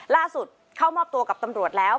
ล่าสุดเข้ามอบตัวกับตำรวจแล้ว